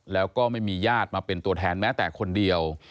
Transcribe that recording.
แล้วก็ไม่มีญาติมาเป็นตัวแทนแม้แต่คนเดียว